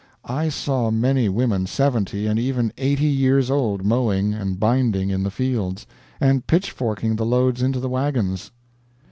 I saw many women seventy and even eighty years old mowing and binding in the fields, and pitchforking the loads into the wagons."